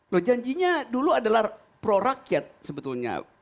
loh janjinya dulu adalah prorakyat sebetulnya